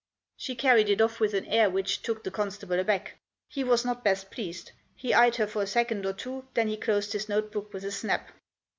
She carried it off with an air which took the constable aback. He was not best pleased. He eyed her for a second or two, then he closed his notebook with a snap.